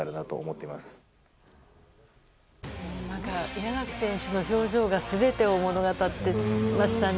稲垣選手の表情が全てを物語っていましたね。